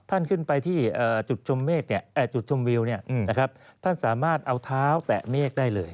ท่านขึ้นไปที่จุดชมเมฆจุดชมวิวท่านสามารถเอาเท้าแตะเมฆได้เลย